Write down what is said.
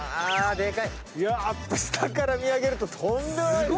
やっぱ下から見上げるととんでもないですよ。